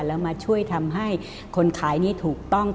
แล้วมาช่วยทำให้คนขายนี้ถูกต้อง